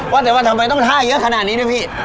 ว่าแต่ว่าทำไมต้องท่าเยอะขนาดนี้ด้วยพี่